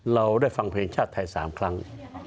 เราได้ฟังเพลงชาติไทย๓ครั้ง